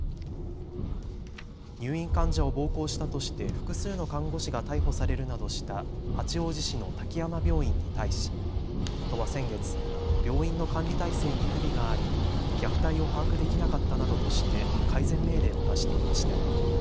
入院患者を暴行したとして複数の看護師が逮捕されるなどした八王子市の滝山病院に対し都は先月、病院の管理体制に不備があり虐待を把握できなかったなどとして改善命令を出していました。